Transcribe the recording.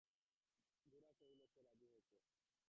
গোরা কহিল, সে রাজি হয়েছে?